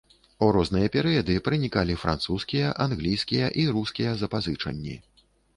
У розныя перыяды пранікалі французскія, англійскія і рускія запазычанні.